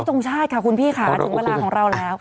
ทรงชาติค่ะคุณพี่ค่ะถึงเวลาของเราแล้ว